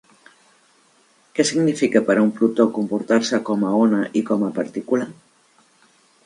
Què significa per a un protó comportar-se com a ona i com a partícula?